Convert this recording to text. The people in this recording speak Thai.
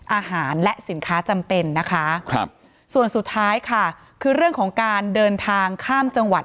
อาหารและสินค้าจำเป็นนะคะครับส่วนสุดท้ายค่ะคือเรื่องของการเดินทางข้ามจังหวัด